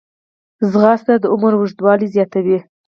ځغاسته د عمر اوږدوالی زیاتوي